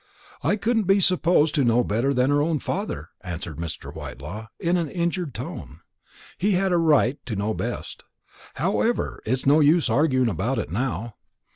"I couldn't be supposed to know better than her own father," answered Mr. Whitelaw, in an injured tone; "he had a right to know best. However, it's no use arguing about it now.